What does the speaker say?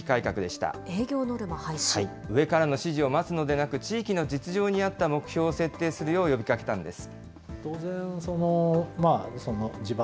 上からの指示を待つのでなく、地域の実情に合った目標を設定するよう呼びかけたんです。